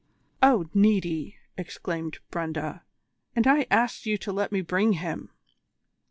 "Oh, Niti," exclaimed Brenda, "and I asked you to let me bring him!"